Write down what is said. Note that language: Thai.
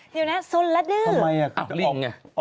เดี๋ยวนะสนและดื้อ